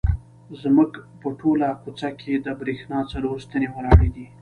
زموږ په ټوله کوڅه کې د برېښنا څلور ستنې ولاړې دي.